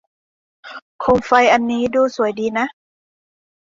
โคมไฟอันนี้ดูสวยดีนะ